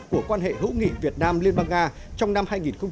của quan hệ hữu nghị việt nam liên bang nga trong năm hai nghìn một mươi chín